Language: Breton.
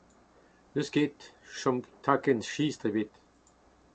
N'eus ket. ne chom takenn sistr ebet